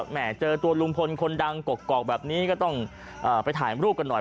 เจอตัวลุงพลคนดังกกอกแบบนี้ก็ต้องไปถ่ายรูปกันหน่อย